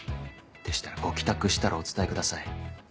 でしたらご帰宅したらお伝えください。